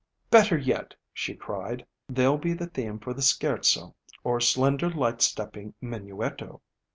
"Better yet!" she cried. "They '11 be the theme for the Scherzo or slender light stepping Minuetto."